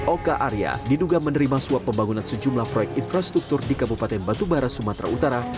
oka arya diduga menerima suap pembangunan sejumlah proyek infrastruktur di kabupaten batubara sumatera utara